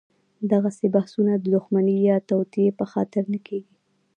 دغسې بحثونه د دښمنۍ یا توطیې په خاطر نه کېږي.